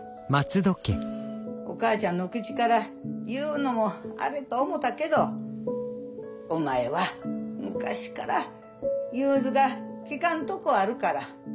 お母ちゃんの口から言うのもあれと思たけどお前は昔から融通が利かんとこあるから。